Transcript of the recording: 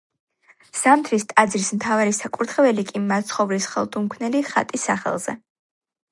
ზამთრის ტაძრის მთავარი საკურთხეველი კი მაცხოვრის ხელთუქმნელი ხატის სახელზე.